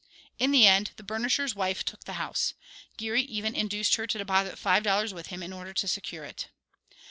In the end the burnisher's wife took the house. Geary even induced her to deposit five dollars with him in order to secure it.